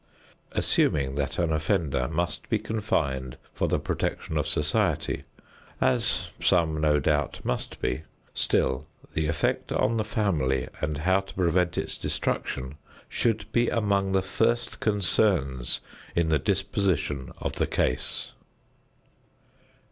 Assuming that an offender must be confined for the protection of society, as some no doubt must be, still the effect on the family and how to prevent its destruction should be among the first concerns in the disposition of the case.